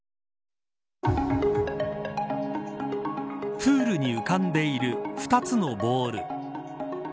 プールに浮かんでいる２つのボール。